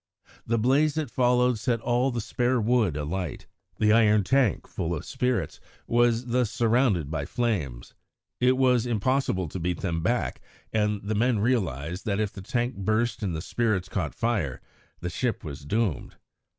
The blaze that followed set all the spare wood alight. The iron tank, full of spirits, was thus surrounded by flames. It was impossible to beat them back, and the men realised that if the tank burst and the spirits caught fire, the ship was doomed.